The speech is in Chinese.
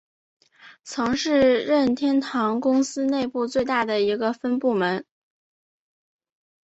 曾是任天堂公司内部最大的一个分部门。